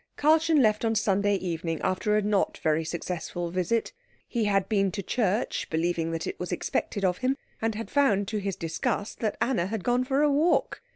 Karlchen left on Sunday evening after a not very successful visit. He had been to church, believing that it was expected of him, and had found to his disgust that Anna had gone for a walk.